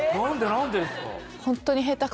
何でですか？